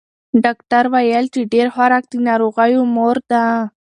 ډاکتر ویل چې ډېر خوراک د ناروغیو مور ده.